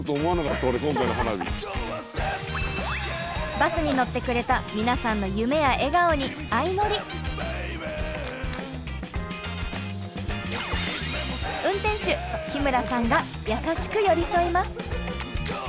バスに乗ってくれた皆さんの運転手日村さんが優しく寄り添います。